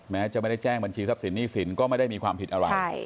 แม้จะไม่ได้แจ้งบัญชีทรัพย์สินหนี้สินก็ไม่ได้มีความผิดอะไร